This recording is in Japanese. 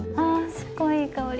すごいいい香り。